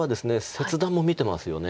切断も見てますよね。